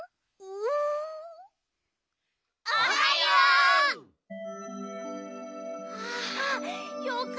おはよう！はあよかった。